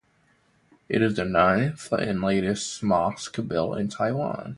It is the ninth and latest mosque built in Taiwan.